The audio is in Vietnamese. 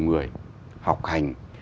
người học hành